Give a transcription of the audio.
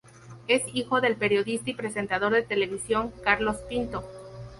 Es hijo del periodista y presentador de televisión Carlos Pinto.